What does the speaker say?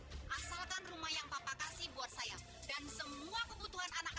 download aplikasi motion trade sekarang